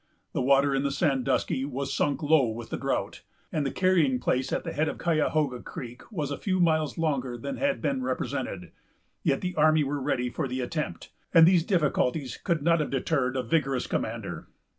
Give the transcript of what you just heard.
The water in the Sandusky was sunk low with the drought, and the carrying place at the head of Cayahoga Creek was a few miles longer than had been represented; yet the army were ready for the attempt, and these difficulties could not have deterred a vigorous commander.